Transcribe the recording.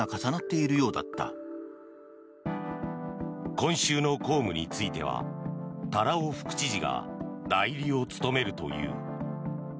今週の公務については多羅尾副知事が代理を務めるという。